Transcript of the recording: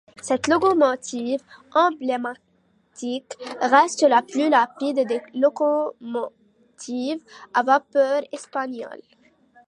Cette locomotive emblématique reste la plus rapide des locomotives à vapeur espagnoles.